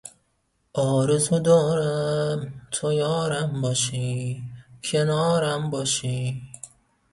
آرزو دارم ، تو یارم باشی ، کنارم باشی